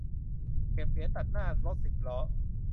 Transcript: เก็บเหรียญตัดหน้ารถสิบล้อ